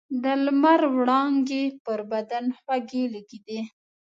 د لمر وړانګې پر بدن خوږې لګېدې.